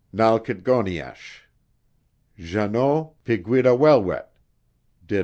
Nalkitgoniash, Jeannot Piguidawelwet, do.